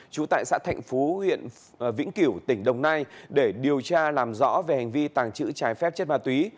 trú tại xã thạnh phú huyện vĩnh kiểu tỉnh đồng nai để điều tra làm rõ về hành vi tàng trữ trái phép chất ma túy